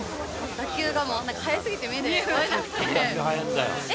打球が速すぎて目で追えなくて、え？